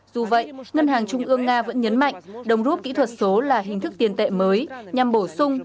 dù vậy ngân hàng trung ương nga vẫn nhấn mạnh đồng rút kỹ thuật số là hình thức tiền tệ mới nhằm bổ sung